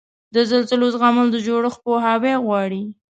د زلزلو زغمل د جوړښت پوهاوی غواړي.